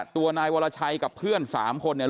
ตัวนายวรชัยกับเพื่อน๓คนเนี่ย